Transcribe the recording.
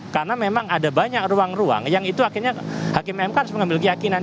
karena memang ada banyak ruang ruang yang itu akhirnya hakim mk harus mengambil keyakinan